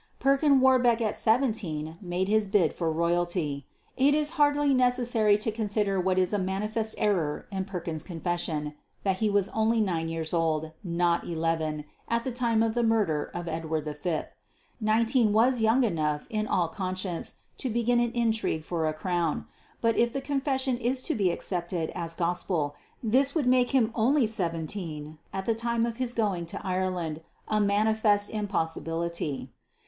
Perkin Warbeck at seventeen made his bid for royalty. It is hardly necessary to consider what is a manifest error in Perkin's Confession that he was only nine years old, not eleven, at the time of the murder of Edward V. Nineteen was young enough in all conscience to begin an intrigue for a crown; but if the Confession is to be accepted as gospel this would make him only seventeen at the time of his going to Ireland a manifest impossibility.